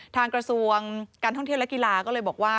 กระทรวงการท่องเที่ยวและกีฬาก็เลยบอกว่า